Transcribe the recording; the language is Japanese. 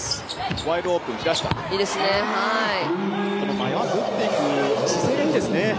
迷わず打っていく姿勢がいいですね。